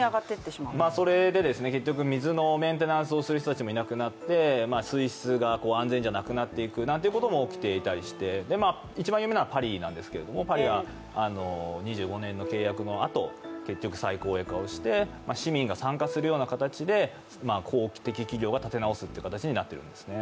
それで結局水のメンテナンスをする人たちもいなくなって水質が安全じゃなくなっていくということも起きていたりして、一番有名なのはパリなんですが、パリは２５年の契約のあと、結局、再公営化をして市民が参加するような形で公営企業がやるという形になってますね。